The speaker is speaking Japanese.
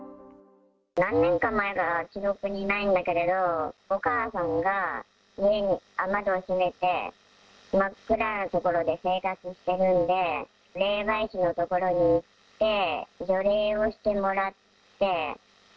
何年か前か記憶にないんだけれど、お母さんが家に雨戸を閉めて、真っ暗なところで生活してるんで、霊媒師の所に行って、除霊をしてもらって。